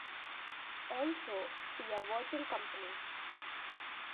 Also see Virtual Company.